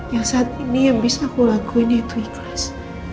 yang saat ini yang bisa aku lakuin itu ikhlas